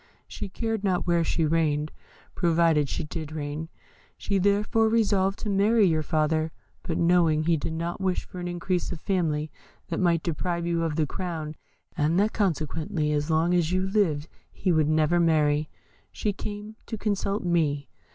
She cared not where she reigned, provided she did reign. She therefore resolved to marry your father; but knowing he did not wish for an increase of family that might deprive you of the crown, and that consequently as long as you lived he would never marry, she came to consult me.